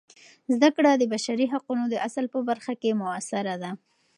زده کړه د بشري حقونو د اصل په برخه کې مؤثره ده.